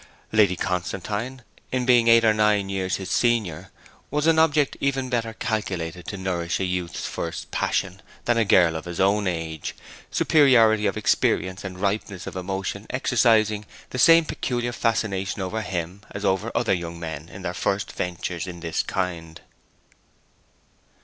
Lady Constantine, in being eight or nine years his senior, was an object even better calculated to nourish a youth's first passion than a girl of his own age, superiority of experience and ripeness of emotion exercising the same peculiar fascination over him as over other young men in their first ventures in this kind.